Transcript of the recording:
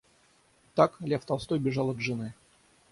Так, Лев Толстой бежал от жены.